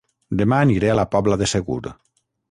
Dema aniré a La Pobla de Segur